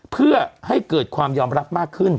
เพื่อให้เกิดความยอมรับมากขึ้น